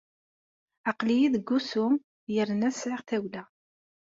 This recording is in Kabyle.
Aql-iyi deg wusu yerna sɛiɣ tawla.